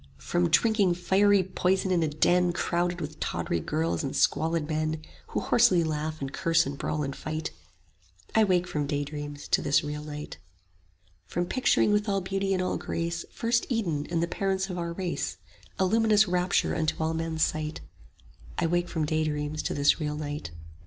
From drinking fiery poison in a den Crowded with tawdry girls and squalid men, Who hoarsely laugh and curse and brawl and fight: I wake from daydreams to this real night. 40 From picturing with all beauty and all grace First Eden and the parents of our race, A luminous rapture unto all men's sight: I wake from daydreams to this real night.